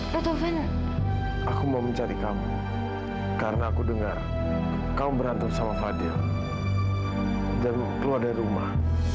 dan keluar dari rumah